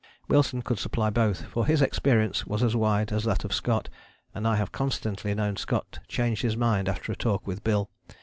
Wilson could supply both, for his experience was as wide as that of Scott, and I have constantly known Scott change his mind after a talk with Bill.